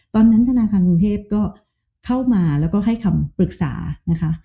ธนาคารกรุงเทพก็เข้ามาแล้วก็ให้คำปรึกษานะคะ